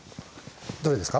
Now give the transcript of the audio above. どれですか？